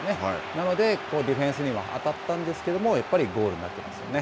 なので、ディフェンスには当たったんですけど、やっぱりゴールになっていますよね。